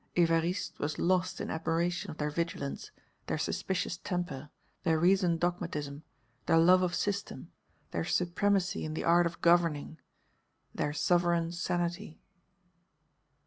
Évariste was lost in admiration of their vigilance, their suspicious temper, their reasoned dogmatism, their love of system, their supremacy in the art of governing, their sovereign sanity.